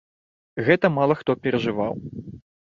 Гэта мала хто перажываў.